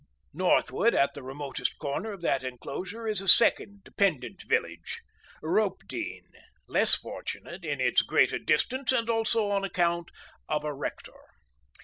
Northward, at the remotest corner of that enclosure, is a second dependent village, Ropedean, less fortunate in its greater distance and also on account of a rector.